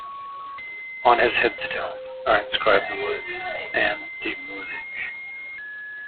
On his headstone are inscribed the words An die Musik.